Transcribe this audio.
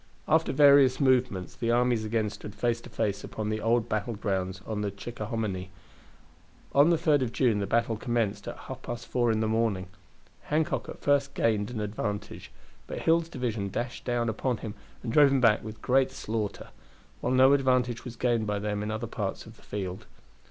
After various movements the armies again stood face to face upon the old battle grounds on the Chickahominy. On the 3d of June the battle commenced at half past four in the morning. Hancock at first gained an advantage, but Hill's division dashed down upon him and drove him back with great slaughter; while no advantage was gained by them in other parts of the field.